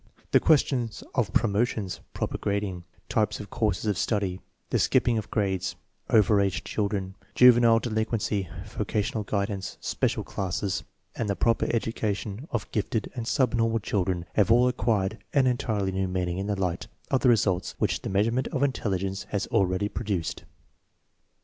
The questions of promotions, proper grading, types of courses of study, the skipping of grades, over age children, juvenile delinquency, vocational guidance, special classes, and the proper education of gifted and sub normal children have all acquired an entirely new meaning in the light of the results which the measurement of intelligence has already produced.